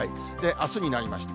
あすになりました。